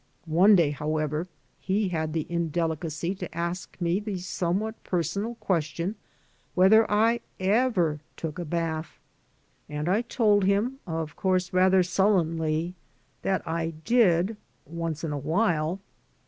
One day, however, he had the indelicacy to ask me the somewhat personal question whether I eoer took a bath; and I told him, of course rather sullenly, that I did once in a while.